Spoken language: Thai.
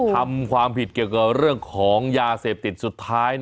ทำความผิดเกี่ยวกับเรื่องของยาเสพติดสุดท้าย